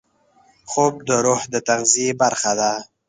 خوب د روح د تغذیې برخه ده